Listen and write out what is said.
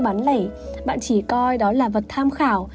bán lẻ bạn chỉ coi đó là vật tham khảo